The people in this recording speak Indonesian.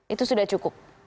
itu sudah cukup